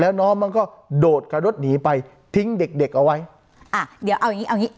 แล้วน้องมันก็โดดกับรถหนีไปทิ้งเด็กเด็กเอาไว้อ่าเดี๋ยวเอาอย่างงี้เอางี้